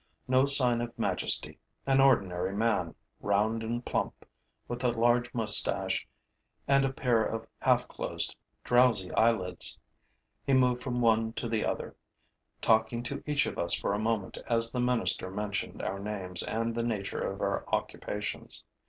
No sign of majesty, an ordinary man, round and plump, with a large moustache and a pair of half closed, drowsy eyelids. He moved from one to the other, talking to each of us for a moment as the minister mentioned our names and the nature of our occupations.